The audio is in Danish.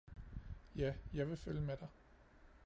Ja, jeg vil følge med dig!